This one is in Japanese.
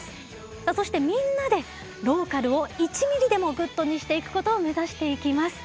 さあそしてみんなでローカルを１ミリでもグッドにしていくことを目指していきます。